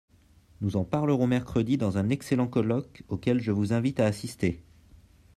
Nous en parlerons mercredi dans un excellent colloque auquel je vous invite à assister.